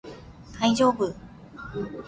大丈夫